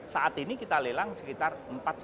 saat ini kita lelang sekitar empat lima saint